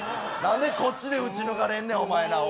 なんでこっちで撃ち抜かれんねん。